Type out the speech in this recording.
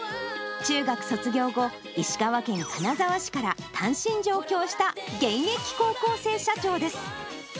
中学卒業後、石川県金沢市から単身上京した現役高校生社長です。